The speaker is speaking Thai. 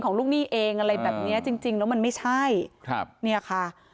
ลูกหนี้เองอะไรแบบเนี้ยจริงจริงแล้วมันไม่ใช่ครับเนี่ยค่ะ